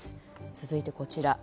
続いて、こちら。